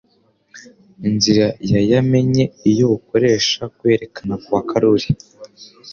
inzira ya yamenye iyo ukoresha kwerekana kwa karoli